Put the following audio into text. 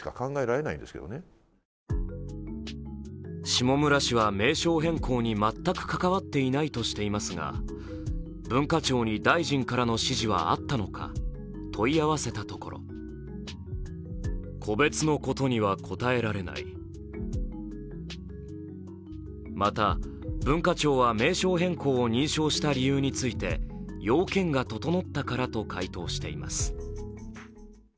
下村氏は名称変更に全く関わっていないとしていますが文化庁に大臣からの指示はあったのか、問い合わせたところまた文化庁は名称変更を認証した理由について要件が整ったからと回答しています。